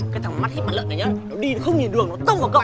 cái thằng mắt hít mặt lợn này nhớ nó đi nó không nhìn đường nó tông vào cậu